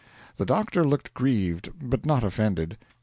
The doctor looked grieved, but not offended.